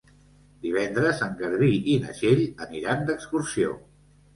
Divendres en Garbí i na Txell aniran d'excursió.